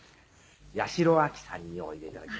「八代亜紀さんにおいで頂きました」